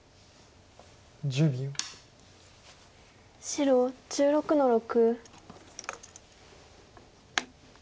白１６の六。